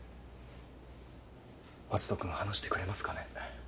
篤斗君話してくれますかね？